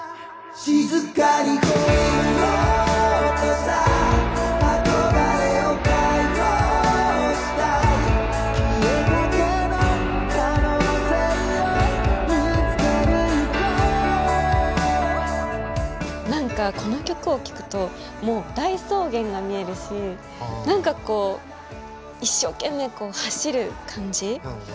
静かに葬ろうとした憧れを解放したい消えかけの可能星を見つけに行こう何かこの曲を聴くともう大草原が見えるし何かこう一生懸命こう走る感じ。